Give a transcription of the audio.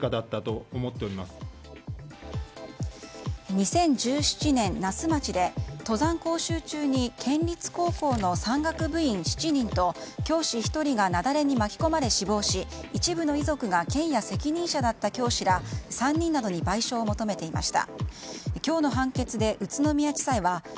２０１７年、那須町で登山講習中に、県立高校の山岳部員７人と教師１人が雪崩に巻き込まれ、死亡し一部の遺族が、県や責任者だった教師ら３人などに賠償を求めていました。